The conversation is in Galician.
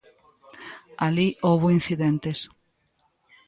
Alí houbo incidentes.